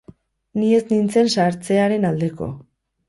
Ni ez nintzen sartzearen aldeko.